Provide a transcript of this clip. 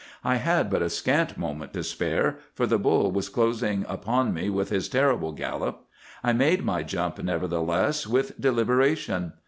I had but a scant moment to spare, for the bull was closing upon me with his terrific gallop. I made my jump, nevertheless, with deliberation.